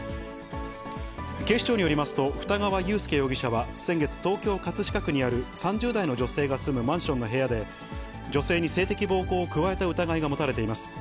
警視庁によりますと、二川悠介容疑者は先月、東京・葛飾区にある３０代の女性が住むマンションの部屋で、女性に性的暴行を加えた疑いが持たれています。